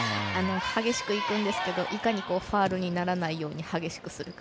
激しくいくんですけどいかにファウルにならないように激しくするか。